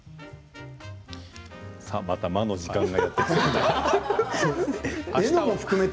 また魔の時間がやってきました。